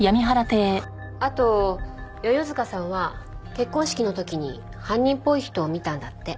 あと世々塚さんは結婚式の時に犯人っぽい人を見たんだって。